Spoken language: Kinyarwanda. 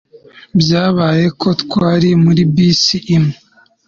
Byabaye ko twari muri bisi imwe